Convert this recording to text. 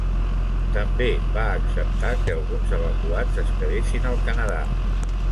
També va acceptar que alguns evacuats es quedessin al Canadà.